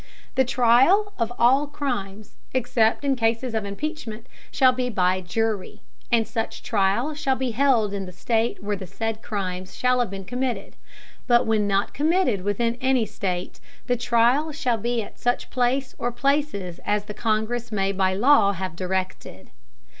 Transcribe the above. The Trial of all Crimes, except in Cases of Impeachment, shall be by Jury; and such Trial shall be held in the State where the said Crimes shall have been committed; but when not committed within any State, the Trial shall be at such Place or Places as the Congress may by Law have directed.